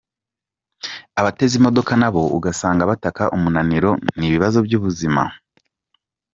Abateze imodoka nabo ugasanga bataka umunaniro n’ibibazo by’ubuzima.